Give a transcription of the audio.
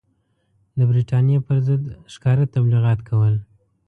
د برټانیې پر ضد ښکاره تبلیغات کول.